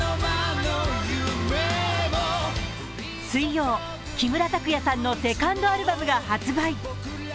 水曜、木村拓哉さんのセカンドアルバムが発売。